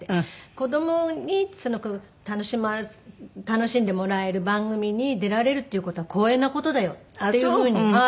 子どもにすごく楽しんでもらえる番組に出られるっていう事は光栄な事だよという風に。